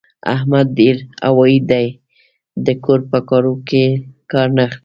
احمد ډېر هوايي دی؛ د کور په کارو کار نه لري.